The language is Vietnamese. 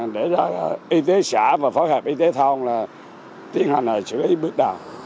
để ra y tế xã và phó hợp y tế thông là tiến hành là sử lý bước đầu